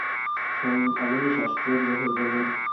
স্বয়ং অবনীশ আশ্চর্য হয়ে গেলেন।